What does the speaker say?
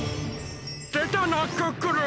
でたなクックルン！